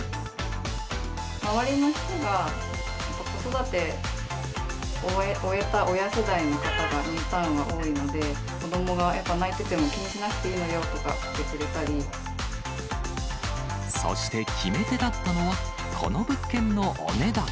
周りの人が、子育てを終えた親世代の方が、ニュータウンは多いので、子どもが泣いてても気にしなくていいのそして決め手だったのは、この物件のお値段。